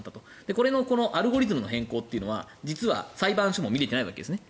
これのアルゴリズムの変更は実は裁判所も見れていないわけですね。